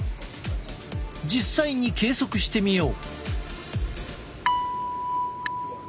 実際に計測してみよう。